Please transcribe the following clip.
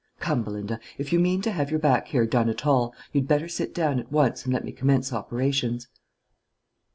Come, Belinda, if you mean to have your back hair done at all, you'd better sit down at once and let me commence operations."